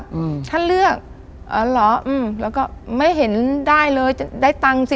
อืมท่านเลือกอ๋อเหรออืมแล้วก็ไม่เห็นได้เลยจะได้ตังค์สิ